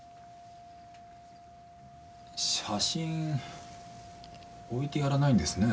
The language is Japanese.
写真置いてやらないんですね。